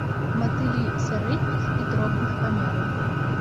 Матылі сярэдніх і дробных памераў.